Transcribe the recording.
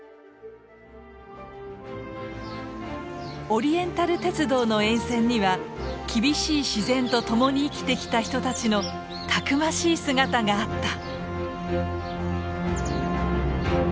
オリエンタル鉄道の沿線には厳しい自然とともに生きてきた人たちのたくましい姿があった。